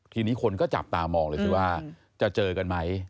ทีนี้คนก็จับตามองเลยสิว่าจะเจอกันไหม